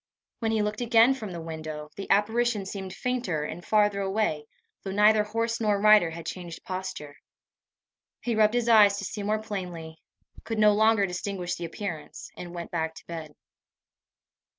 When he looked again from the window, the apparition seemed fainter, and farther away, though neither horse nor rider had changed posture. He rubbed his eyes to see more plainly, could no longer distinguish the appearance, and went back to bed.